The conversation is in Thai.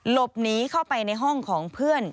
หลบหนีเข้าไปในห้องของเพื่อน